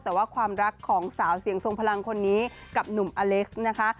แต่ว่าความรักของสาวเสียงทรงพลังคนนี้กับหนุ่มอเล็กซ์นะคะ